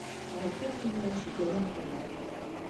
Ала-кӧ мыйын велосипедем конда.